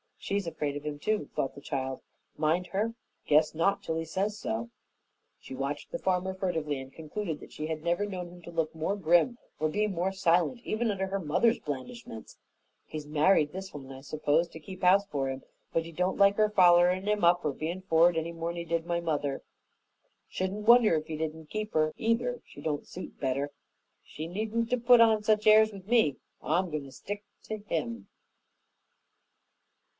"She's afraid of 'im too," thought the child. "Mind her! Guess not, unless he says so." She watched the farmer furtively and concluded that she had never known him to look more grim or be more silent even under her mother's blandishments. "He's married this one, I s'pose, to keep house for 'im, but he don't like her follerin' 'im up or bein' for'ard any more'n he did mother. Shouldn't wonder if he didn't keep her, either, if she don't suit better. She needn't 'a' put on such airs with me, for I'm goin' to stick to him."